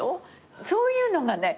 そういうのがね